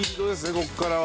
ここからは。